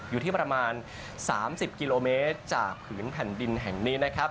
อยู่ที่ประมาณ๓๐กิโลเมตรจากผืนแผ่นดินแห่งนี้นะครับ